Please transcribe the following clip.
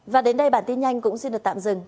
và đến đây bản tin nhanh cũng xin được tạm dừng